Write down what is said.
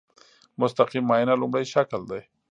مستقیم معاینه لومړی شکل دی.